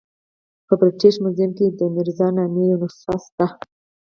په برټش میوزیم کې د میرزا نامې یوه نسخه شته.